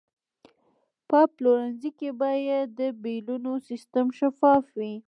په پلورنځي کې باید د بیلونو سیستم شفاف وي.